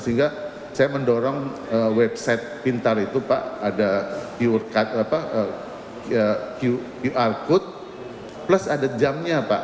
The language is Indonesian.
sehingga saya mendorong website pintar itu pak ada di qr code plus ada jamnya pak